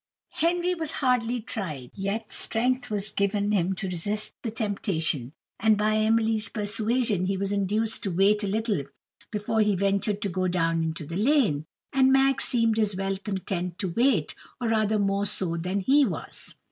Henry was hardly tried, yet strength was given him to resist the temptation; and by Emily's persuasion he was induced to wait a little before he ventured to go down into the lane. And Mag seemed as well content to wait, or rather more so than he was.